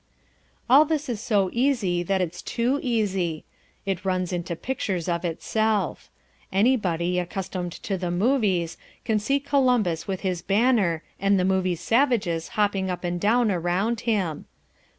All this is so easy that it's too easy. It runs into pictures of itself. Anybody, accustomed to the movies, can see Columbus with his banner and the movie savages hopping up and down around him.